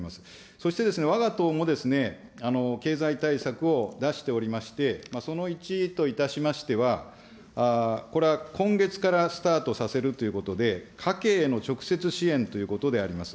そして、わが党も経済対策を出しておりまして、その一例といたしましては、今月からスタートさせるということで、家計への直接支援ということであります。